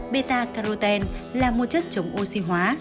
beta carotene là một chất chống oxy hóa